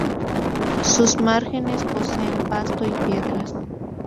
Sus márgenes poseen pasto y piedras.